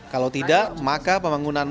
kalau tidak maka pembangunan